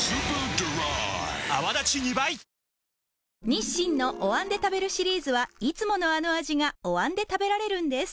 日清のお椀で食べるシリーズはいつものあの味がお椀で食べられるんです